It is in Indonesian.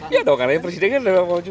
ya dong karena presiden kan udah mau cucu